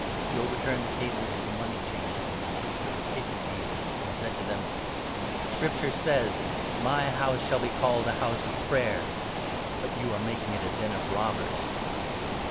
Temple. fje overturned the tables of the money changers, and the seats of the pigeon dealers, and said to them : 13 " Scripture says —' My House shall be called a House of Prayer '; but you are making it ' a den of robbers.